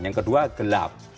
yang kedua gelap